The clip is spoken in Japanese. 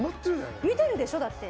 見てるでしょ、だって。